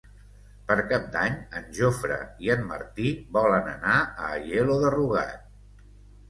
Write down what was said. Per Cap d'Any en Jofre i en Martí volen anar a Aielo de Rugat.